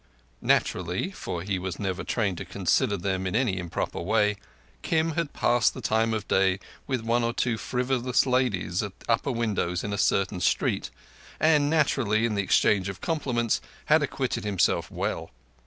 Naturally, for he was never trained to consider them in any way improper, Kim had passed the time of day with one or two frivolous ladies at upper windows in a certain street, and naturally, in the exchange of compliments, had acquitted himself well.